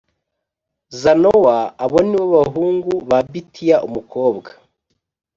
Zanowa Abo ni bo bahungu ba Bitiya umukobwa